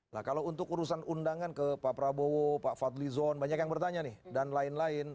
nah kalau untuk urusan undangan ke pak prabowo pak fadlizon banyak yang bertanya nih dan lain lain